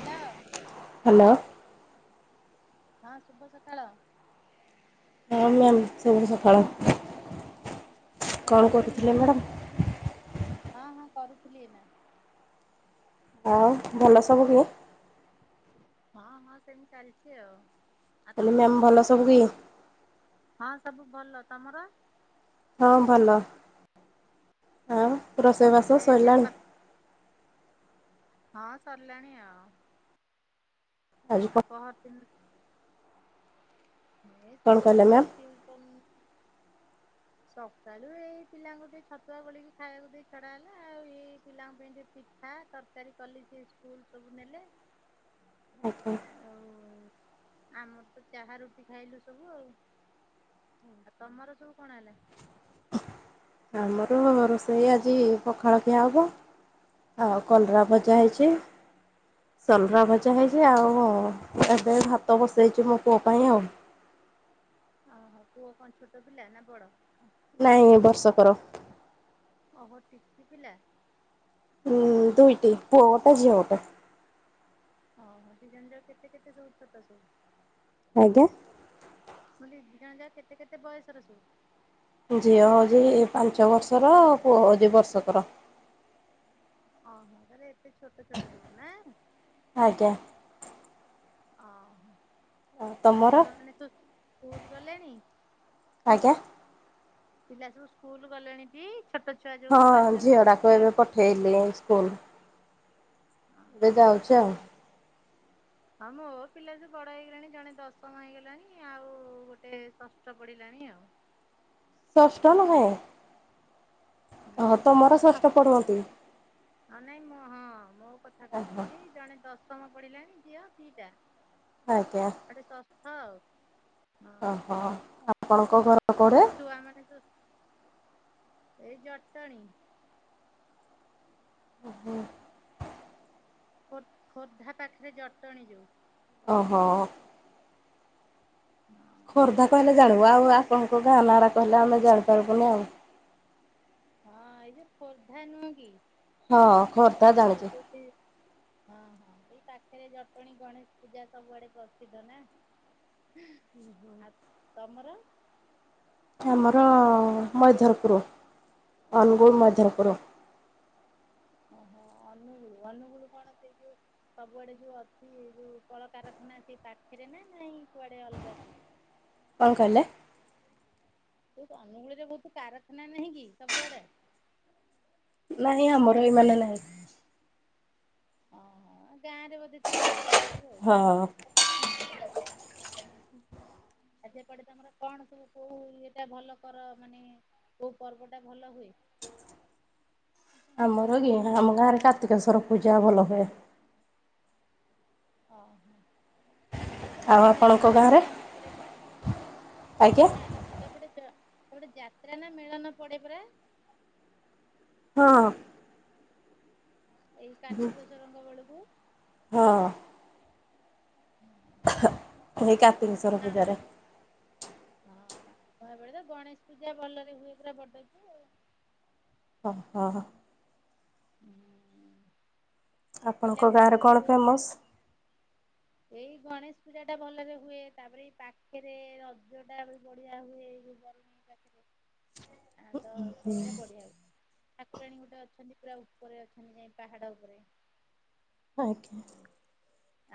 ହେ୍ୟାଲା। Hello. ହଁ ଶୁଭ ସକାଳ। ହଁ ମାମ ସୁଭସକାଳ। ଭଲ ଅଛନ୍ତି? ହଁ ହଁ କରୁଥିଲି ଏନା। ଆଉ ଭଲ ସବୁ କିଏ? ହଁ ହଁ ସେମିତି ଚାଲିଛି ଆଉ ଆଉ କହିଲି ତମର? ମ୍ୟାମ୍ ଭଲ ସବୁ କି? ହଁ ସବୁ ଭଲ ତମର? ହଁ ଭଲ ଆଉ ଆଉ ରୋଷେଇବାସ ଖାଇବା ପିଇବା ସଇଲାଣି? ସରି ହଁ ସରିଲାଣି ଆଉ। ଆଜି କ ଆପଣ [unintelligible] ଏ କଣ ସକାଳେ କହିଲେ ଏଇ ମ୍ୟାମ୍? ଟ୍ୟୁସନ୍ ସକାଳୁ ଏଇ ପିଲାଙ୍କୁ ଟିକେ ଛତୁଆ ଗୋଳିକି ଖାଇବାକୁ ଦେଇ ଛଡା ହେଲା। ଆଉ ଏଇ ପିଲାଙ୍କ ପାଇଁ ଟିକେ ପିଠା, ତରକାରୀ କଲି ସେ ସ୍କୁଲ ସବୁ ନେଲେ। ଓ ହୋ। ଆଉ ଆମର ତ ଚାହା ରୁଟି ଖାଇଲୁ ସବୁ ଆଉ। ଆଉ ତମର ସବୁ କଣ ହେଲା? ଆମର ରୋଷେଇ ଆଜି ପଖାଳ ଖିଆ ହବ। ଆଉ କଲରାଭଜା ହେଇଚି। ସଲରା ଭଜା ହେଇଚି। ଆଉ ଏବେ ଭାତ ବସେଇଚି ମୋ ପୁଅ ପାଇଁ ଆଉ। ଓହୋ ପୁଅ କଣ ଛୋଟ ପିଲା ନା ବଡ? ନାଇଁ ବର୍ଷକର। ଓହୋ ଟିକିପିଲା। ହୁଁ ଦୁଇଟି ପୁଅଗୋଟେ ଝିଅ ଗୋଟେ। ଓ ହୋ ଦି ଜଣ ଯାକ କେତେ କେତେ [unintelligible] ସବୁ। ଆଜ୍ଞା? ମୁଁ ଦି ଦି ଜଣ ଯାକ କେତେ କେତେ ବୟସର ସବୁ? ଝିଅ ହଉଚି ପାଞ୍ଚ ବର୍ଷର ପୁଅ ହଉଚି ବର୍ଷକର। ଓହୋ। ତାହେଲେ ଏତେ ଛୋଟ ଛୋଟ ସବୁ ନା। ଆଜ୍ଞା। ଓ ହଁ। ଆଉ ଆ ତମର? ଛୁଆ ମାନେ ସବୁ ସ୍କୁଲ ଗଲେଣି? ଆଜ୍ଞା ପିଲା ମାନେ ସବୁ ସ୍କୁଲ ଗଲେଣି ଟି? ଛୋଟ ଛୁଆ ହଁ ଯୋଉ ପାଞ୍ଚ ମ ଝିଅଟାକୁ ଝିଅ [unintelligible] ସ୍କୁଲ। ଏବେ ଯାଉଚି ଆଉ। ହଁ ମୋ ପିଲା ସବୁ ବଡ ହେଇଗଲେଣି ଜଣେ ଦଶମ ହେଇଗଲାଣି ଆଉ ଗୋଟେ ଷଷ୍ଠ ପଢିଲାଣି ଆଉ। ଷଷ୍ଠ ନୁହେଁ। ଓ ହୋ ତମର ଷଷ୍ଠ ପଢୁଛନ୍ତି। ହଁ ନାଇଁ ମ ହଁ ମୋ କଥା ଓହୋ କହୁଚି ଜଣେ ଦଶମ ପଢିଲାଣି ଝିଅ ଦିଟା। ଆଜ୍ଞା। ଆଉ ଗୋଟେ ଷଷ୍ଠ ଆଉ। ହଁ ଓହୋ। ଆପଣଙ୍କ ଘର କୁଆଡେ? ଏଇ ଛୁଆ ମାନେ ଏଇ ଜଟଣୀ। ଓ ହୋ। ଖୋ ଖୋର୍ଦ୍ଧା ପାଖରେ ଜଟଣି ଯଉ। ଓହୋ। ହଁ ଖୋର୍ଦ୍ଧା କହିଲେ ଜାଣିବୁ। ଆଉ ଆପଣଙ୍କ ଗାଁ ନାରା କହିଲେ ଆମେ ଜାଣିପାରିବୁନି ଆଉ। ହଁ ଏଇ ଯୋଉ ଖୋର୍ଦ୍ଧା ନୁହେଁ କି ହଁ ଖୋର୍ଦ୍ଧା ଆମର ଜାଣିଛୁ। ଯୋଉଠି ହଁ ହଁ ଏଇ ପାଖରେ ଜଟଣୀ ଗଣେଶ ପୂଜା ସବୁଆଡେ ପ୍ରସିଦ୍ଧ ନା। ଆଉ ତମର? ଆମର ମଇଧରପୁରୁ ଅନୁଗୁଳ ମଇଧରପୁରୁ। ଓହୋ ଅନୁଗୁଳୁ ଅନୁଗୁଳୁ କଣ ସେଇ ଯୋଉ ସବୁଆଡେ ଯୋଉ ଅଛି ଯୋଉ କଳକାରଖାନା ସେ ପାଖରେ ନା ନାଇଁ କୁଆଡେ ଅଲଗା କୁ? କଣ କହିଲେ? ଅନୁଗୁଳରେ ବହୁତ କାରଖାନା ନାହିଁ କି ସବୁଆଡେ। ନାହିଁ ଆମର ଏଇମାନେ ନାହିଁ। ଓହୋ ଗାଁ ରେ ବୋଧେ ଥିବ ଆଉ ସିଆଡେ ସବୁ ହଁ। ଆଉ। [unintelligible] ଆ ସେପଟେ ତମର କଣ ସବୁ କୋଉ ଇଏଟା ଭଲ କର ମାନେ କୋଉ ପର୍ବ ଟା ଭଲ ହୁଏ? ଆମର କି ଆମ ଗାଁରେ କାର୍ତ୍ତିକେଶ୍ୱର ପୂଜା ଭଲ ହୁଏ। ଓ ହୋ। ଆଉ ସେଠି ସବୁ ଆପଣଙ୍କ ଯାତ୍ରା ନା ଗାଁରେ ମେଳଣ ପଡେ ପା? ଆଜ୍ଞା। ସେପଟେ ତ ସେପଟେ ଯାତ୍ରା ନା ମେଳନ ପଡେ ପରା। ହଁ। ଏଇ କାର୍ତ୍ତିକ ସରଙ୍ଗ ବେଳକୁ- ହଁ। ହଁ ଏଇ କାର୍ତ୍ତିକେସ୍ଵର ପୂଜାରେ ହଁ କହା ବେଳେ ତ ଗଣେଶ ପୂଜା ଭଲରେ ହୁଏ ପୁରା ବଡକୁ। ହ ହଁ। ହୁଁ [inaudible] ଆପଣଙ୍କ ଗାଁରେ କଣ ଫେମସ୍? ଏଇ ଗଣେଶ ପୂଜା ଟା ଭଲରେ ହୁଏ। ତାପରେ ଏଇ ପାଖରେ ରଜ ଟା ବଢିଆ ହୁଏ। ଏଇ- ଆ ତ ସେଇଟା ବଢିଆ ହୁଏ। ଠାକୁରାଣୀ ଗୋଟେ ଅଛନ୍ତି ପୁରା ଉପରେ ଅଛନ୍ତି ଯାଇ ପାହାଡ ଉପରେ। ଆଜ୍ଞା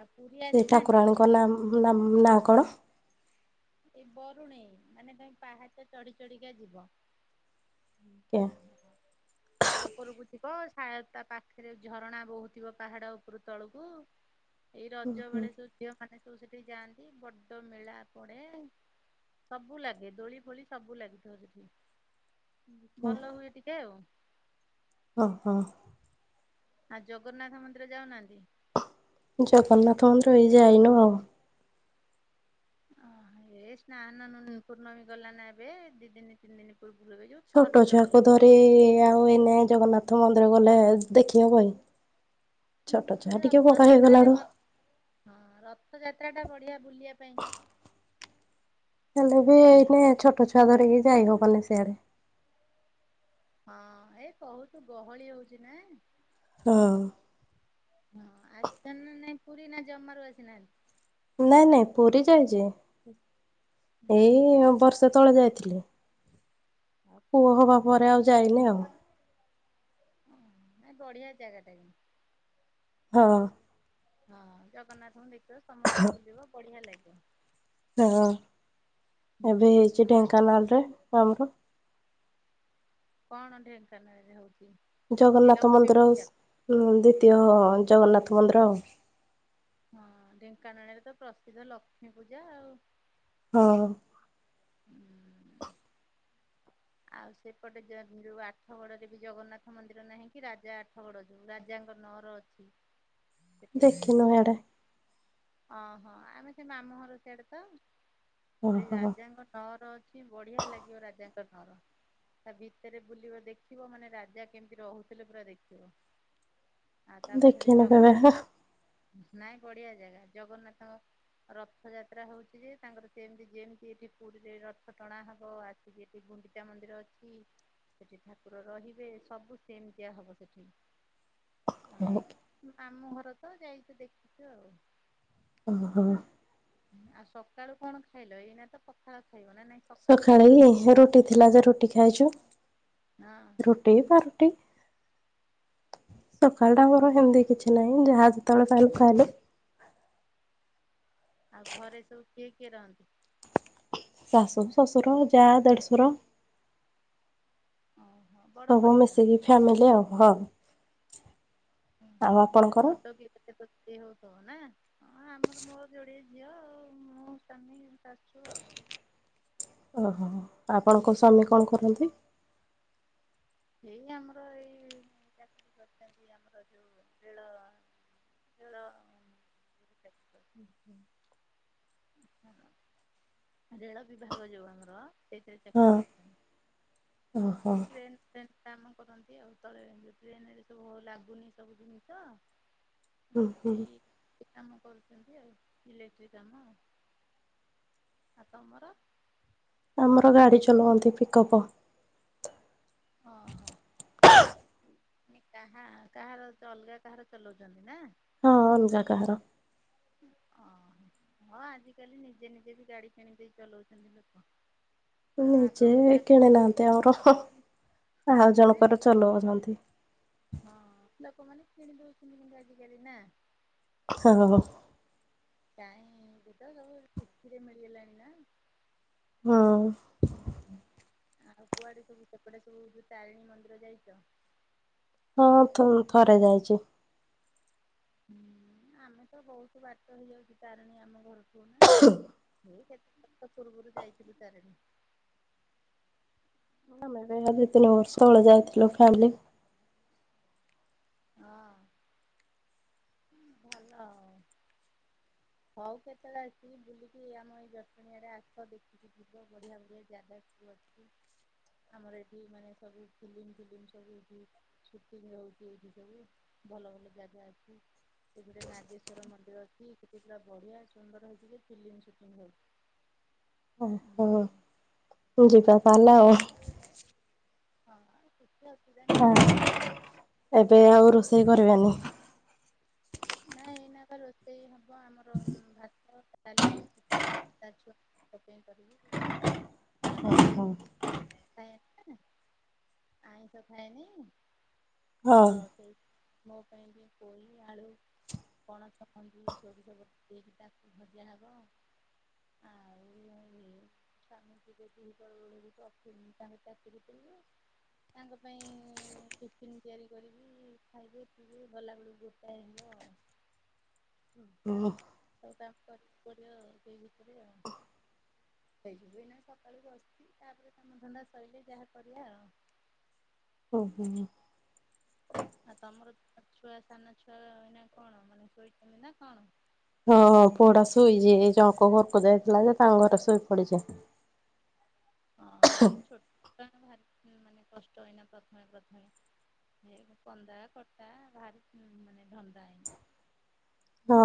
ଆଉ ପୁରୀ ସେ ଆସିନାହାନ୍ତି କେବେ? ଠାକୁରାଣୀଙ୍କ ନା ନାଁ କଣ? ଏଇ ବରୁଣେଇ ମାନେ ତମେ ପାହାଚ ଚଢି ଚଢିକା ଯିବ। ଆଜ୍ଞା। ଉପରକୁ ଥିବ ସାୟତା ପାଖରେ ଝରଣା ବହୁ ଥିବ ପାହାଡ ଉପରୁ ତଳକୁ। ଏଇ ହୁଁ ରଜ ହୁଁ ବେଳେ ସବୁ ଝିଅମାନୋନେ ସବୁ ସେଠି ଯାଆନ୍ତି। ବଡ ମେଳା ପଡେ। ସବୁ ଲାଗେ ଦୋଳି ଫୋଳି ସବୁ ଲାଗେ। ଆଜ୍ଞା ଭଲ ହୁଏ ଟିକେ ଆଉ। ଓ ହୋ। ହଁ ଜଗନ୍ନାଥ ମନ୍ଦିର ଯାଉନାହାନ୍ତି? ଜଗନ୍ନାଥ ମନ୍ଦର ଏଇ ଯାଇନୁ ଆଉ। ଓହ ଏଇ ସ୍ନାନ ଦାନ ପୂର୍ଣ୍ଣମୀ ଗଲାନ ଏବେ ଦି ଦିନି ତିନ ଦିନି। [unintelligible] ଛୋଟ ଛୁଆକୁ ଧରି ଆଉ ଏନେ ଜଗନ୍ନାଥ ମନ୍ଦିର ଗଲେ ଦେଖିହବ କି? ଛୋଟ ହଁ ଛୁଆ ଟିକେ ବଡ ରଥଯାତ୍ରାରେ ହେଇଗଲାଣି। ଭଲ ହଁ ରଥଯାତ୍ରା ଟା ବଢିଆ ବୁଲିବା ପାଇଁ ଯାଏ। ହେଲେ ବି ଏଇନେ ଛୋଟ ଛୁଆ ଧରିକି ଯାଇହବନି ସିଆଡେ। ହଁ ଏଇ କହୁଛୁ ଗହଳି ହଉଛି ନା। ହଁ। ହଁ ଆସିଥାଛନ୍ତି ନା ନାଇଁ ପୁରୀ ନା ଜମାରୁ ଆସିନାହାନ୍ତି? ନାଇଁ ନାଇଁ ପୁରୀ ଯାଇଛି ଏଇ ବର୍ଷେ ତଳେ ଯାଇଥିଲି। ଆଉ ପୁଅ ହବା ପରେ ହଁ ଆଉ ଯାଇନି ଆଉ। ନାଇଁ ବଢିଆ ଜାଗା ଟା [unintelligible] ହଁ। ହଁ ଜଗନ୍ନାଥଙ୍କୁ ଦେଖିବ, ସମୁଦ୍ର ବୁଲିବ ବଢିଆ ଲାଗିବ। ହଁ ହୁଁ ଏବେ ହେଇଛି, ଆଉ ଏଇ ଢେଙ୍କାନାଳ ରେ ଆମର। କଣ ଢେଙ୍କାନାଳରେ ହଉଛି? ଏଇ ଜଗନ୍ନାଥ ଲକ୍ଷ୍ମୀ ମନ୍ଦିର ପୂଜା। ଦ୍ଵିତୀୟ ଜଗନ୍ନାଥ ମନ୍ଦିର। ହଁ, ଢେଙ୍କାନାଳରେ ତ ପ୍ରସିଦ୍ଧ ଲକ୍ଷ୍ମୀ ପୂଜା ଆଉ ହଁ। ହୁଁ। ଆଉ ସେପଟେ ଯୋଉ ଆଠଗଡରେ ବି ଜଗନ୍ନାଥ ମନ୍ଦିର ନାହିଁ କି, ରାଜା ଆଠଗଡ। ଯୋଉ ରାଜାଙ୍କ ନର ଅଛି। ସେଠି ଦେଖିନୁ ସବୁ ଇଆଡେ ମେ ଅହୋ ଆମେ ସେ ମାମୁଁ ଘର ସିଆଡେ ତ ସେ ଓହୋ ରାଜାଙ୍କ ନଅର ଅଛି, ବଢିଆ ଲାଗିବ ରାଜାଙ୍କର ହ, ତା ଭିତରେ ବୁଲିବ ଦେଖିବ ମାନେ ରାଜା କେମିତି ରହୁଥିଲେ, ପୁରା ଦେଖିବ। ଆ ତାପରେ ସେଠ ଦେଖିନୁ କେବେ ଜଖର୍। ନାଇଁ ବଢିଆ ଜାଗା, ଜଗନ୍ନାଥଙ୍କ ରଥଯାତ୍ରା ହଉଛି, ଯେ ତାଙ୍କର ସେମିତି ଯେମିତି ଏଠି ପୁରୀରେ ରଥ ଟଣା ହବ ଆସିକି ଶ୍ରୀ ଗୁଣ୍ଡିଚା ମନ୍ଦିର ଅଛି। ସେଠି ଠାକୁର ରହିବେ ସବୁ ସେମତିଆ ହବ ସେଠି। ହଁ ମାମୁଁ ଘର ତ ଯାଇଛୁ, ଦେଖିଛୁ ଆଉ। ଓ ହୋ। ଆଉ ସକାଳୁ କଣ ଖାଇଲ? ଏଇନା ତ ପଖାଳ ଖାଇବ ନା ନାଇଁ? ସକାଳୁ ପଖାଳ ସକାଳେ ରୁଟି ଥିଲା ଯେ, ରୁଟି ଖାଇଛୁ। ହଁ। ରୁଟି ପାଉଁରୁଟି। ସକାଳଟା ମୋର ହେନ୍ତି କିଛି ନାହିଁ ଯାହା ଯେତେବେଳେ ପାଈଲୁ ଖାଇଲୁ। ଆଉ ଘରେ ସବୁ କିଏ କିଏ ରହନ୍ତି? ଶଶ, ଶଶୁର, ଯା, ଦେଢ଼ଶୁର। ଓହୋ। ବଡ ସବୁ ପରିବାର ମିଶିକି ଫ୍ୟାମିଲି ଆଉ, ହଁ। ଆଉ ହୁଁ ଆପଣଙ୍କର? [unintelligible] ହଁ ଆମର ମୋର ଯୋଡିଏ ଝିଅ ଆଉ ମୁଁ ସ୍ୱାମୀ ଶଶୁ ଆଉ। ଓହୋ ଆପଣଙ୍କ ସ୍ୱାମୀ କଣ କରନ୍ତି? ଏଇ ଆମର ଏଇ ଚାକିରି କରିଛନ୍ତି, ଆମର ଯୋଉ ରେଳ ରେଳ ଚାକିରି [inaudible] ରେଳ ବିଭାଗ ଜିବୁ ଆମର। ସେଇଥିରେ ହଁ ଚାକିରୀ କରିଚନ୍ତି, ହଁ ଓହୋ ଏଇ ଟ୍ରେନ୍ ଫ୍ରେନ୍ କାମ କରନ୍ତି ଆଉ ତଳେ ଯୋ ଟ୍ରେନରେ ସବୁ ଲାଗୁନି ସବୁ ଜିନିଷ ହୁଁ [unintelligible] ହୁଁ ସେଇ କାମ କରୁଛନ୍ତି। ଆଉ ଇଲେକ୍ଟ୍ରିକ କାମ। ଆଉ ତମର? ଆମର ଗାଡ଼ି ଚଲାଉନ୍ତି ପିକଅପ୍। ହଁ ହଁ। କାହା କାହାର ଅଲଗା କାହାର ଚଲାଉଛନ୍ତି ନା। ହଁ ଅଲଗା କାହାର। ହଁ ହଁ ଆଜିକାଲି ନିଜେ ନିଜେ ବି ଗାଡ଼ି କିଣ ଦେଇ ଚଲାଉଛନ୍ତି ଲୋକ। [inaudible] ନିଜେ ଭଳିଆ କିଣି ନାହାନ୍ତି ଆମର ହଁ ଆଉ ନାଇଁ ଜଣଙ୍କର ଚଲଉଛନ୍ତି। ହଁ ଲୋକମାନେ କିଣି ଦଉଛନ୍ତି ଆଜିକାଲି ନା। ହଁ ହ ହ। କାଇଁ [unintelligible] କିସତିରେ ମିଳିଗଲାଣି ନା। ହଁ। ହୁ ଆଉ କୁଆଡେ ସବୁ ସେପଟେ ସବୁ ତାରିଣୀ ମନ୍ଦିର ଯାଇଛ। ହଁ ଥ ଥରେ ଯାଇଛୁ। ହୁଁ ଆମେ ତ ବହୁତ ବାଟ ହେଇଯାଉଛି ତାରିଣୀ ଆମ ଘରଠୁ। [inaudible] ହେ କତେଥର ପୂର୍ବରୁ ଯାଇଥିଲୁ ତାରିଣୀ। ଏବେ ଆଇ ତିନି ବର୍ଷ ବଳେ ଯାଇଥିଲୁ ଫ୍ୟାମିଲି। ହଁ। ଭଲ ଆଉ। ହଉ କେତେବେଳେ ଆସିକି ବୁଲିକି ଆମ ଏଇ ଜଟଣିଆଡ଼େ ଆସ ଦେଖିକି ଥିବ ବଢିଆ ବଢିଆ ଜାଗା ଅଛି। ଆମର ଏଠି ମାନେ ସବୁ ଫିଲିମ ଫିଲିମ ସବୁ ଏଠି ସୁଟିଂ ହଉଛି ଏଇଠି ସବୁ ଭଲ ଭଲ ଜାଗା ଅଛି। ଏଠି ଗୋଟେ ନାଗେଶ୍ଵର ମନ୍ଦିର ଅଛି। ସେଠି ପା ବଢ଼ିଆ ସୁନ୍ଦର ହେଇଛି ଯେ ଫିଲ୍ମ ସୁଟିଂ ହଉଛି। ଓ ହୋ ହୁଁ ଯିବାତାହାଲେ ଆଉ। ହଁ କିଛି ଅସୁବିଧା ହଁ ନାହିଁ। ଏବେ ଆଉ ରୋଷେଇ କରିବେନି? ନାଇଁ ଏଇନାକା ରୋଷେଇ ହବ ଆମର ଭାତ, ଡାଲି, ଚିକେନ। [unintelligible] ଚିକେନ କରିବି, ଓହୋ ତାପରେ [unintelligible] ଆଇଁଷ ଖାଏନି ହଁ ତ, ସେଇ ମୋ ପାଇଁ ପୋଇ ଆଳୁ ପଣସ ମଞ୍ଜି ସୋରିଷ ବଟା ଦେଇକି ତାକୁ ଭଜା ହବ। ଆଉ। ସ୍ୱାମୀ ଯିବେ ତିନିଟା ବେଳକୁ, ଅଫି ତାଙ୍କ ଚାକିରୀ କି ଯିବେ। ତାଙ୍କ ପାଇଁ ଟିଫିନ୍ ତିଆରି କରିବି, ଖାଇବେ ପିଇବେ ଗଲାବେଳକୁ ଗୋଟାଏ ହେବ ଆଉ। ହୁଁ। ଆଉ ତାଙ୍କ [unintelligible] ଆଉ ସେ ଭିତରେ ଆଉ। ହେଇଯିବୁ ଏଇନା ସକାଳୁ ବସିିଚି, ତାପରେ କାମ ଧନ୍ଦା ସଇଲେ ଯାହା କରିଆ ଆଉ। [unintelligible] ଓ ହୋ। ଆଉ ତମର ଛୁଆ ସାନ ଛୁଆ ଏଇନା କଣ ମାନେ ଶୋଇଛନ୍ତି ନା କଣ? ହଁ ପୁଅ ଟା ଶୋଇଛି ଜଣଙ୍କ ଘରକୁ ଯାଇଥିଲା ଯେ, ତାଙ୍କ ଘରେ ଶୋଇ ପଡିଛି। ହଁ ଏଇ ଛୋଟ [unintelligible] ମାନେ କଷ୍ଟ ଏଇନା ପ୍ରଥମେ ପ୍ରଥମେ। ଏଇ କନ୍ଦା କଟା ଭାରି ମାନେ ଧନ୍ଦା ଏଇନେ। ହଁ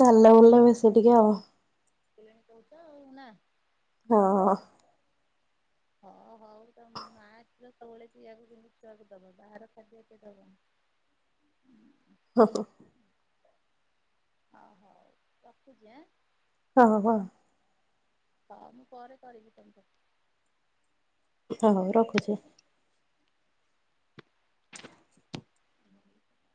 ଚାଲିଲେ ବୁଲିଲେ ବେଶୀ ହୁଁ। ଟିକେ ଆଉ। [unintelligible] କହୁଛ ଆଉ ନା। ହଁ। ହଁ ହଉ ତମେ ମା କ୍ଷୀର ସବୁବେଳେ ପିଇଆକୁ ଯେମିତି ଛୁଆକୁ ଦବ, ବାହାର ଖାଦ୍ୟ ଏତେ ଦବନି। ହଁ- ହଁ। ଅ ହଉ ରଖୁଛି ଏଁ। ହଁ- ହଁ। ହଁ ମୁଁ ପରେ କିରିବି ତମକୁ। ହଁ ହଉ ରଖୁଛି? [unintelligible]